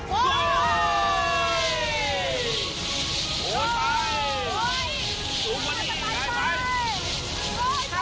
สูงมานี่ชัย